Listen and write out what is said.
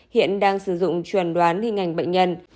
hiện đang sử dụng chuẩn đoán hình ảnh bệnh nhân